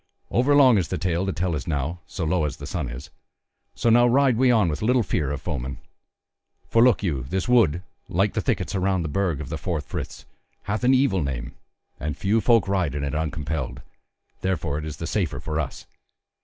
Over long is the tale to tell as now, so low as the sun is; so now ride we on with little fear of foemen. For look you, this wood, like the thickets about the Burg of the Four Friths, hath an evil name, and few folk ride it uncompelled; therefore it is the safer for us.